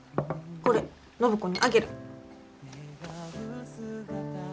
これ暢子にあげる。